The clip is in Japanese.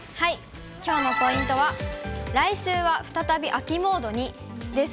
きょうのポイントは、来週は再び秋モードにです。